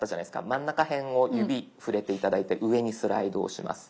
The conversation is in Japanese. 真ん中へんを指触れて頂いて上にスライドをします。